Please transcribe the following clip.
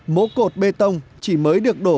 mố cột bê tông chỉ mới được đổ